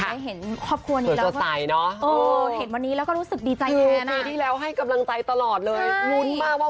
แล้วก็มีความสุขกับคนที่สำคัญในชีวิตเราให้มากที่สุดค่ะ